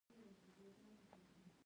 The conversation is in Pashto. مورګان له خپل ځایه پاڅېد او ولاړ شو